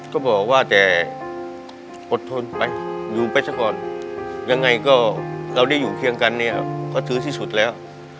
ก็บอกว่าแต่อดทนไปอยู่ไปซะก่อนยังไงก็เราได้อยู่เคียงกันเนี่ยก็ถือที่สุดแล้ว